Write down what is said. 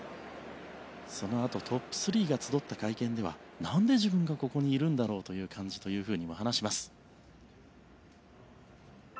そのあとトップ３が集った会見では何で自分がここにいるんだろうという感じというふうにも話します。